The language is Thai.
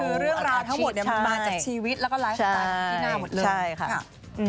คือเรื่องราวทั้งหมดมันมาจากชีวิตและก็รายสตาร์ทที่ติดหน้าหมดเลย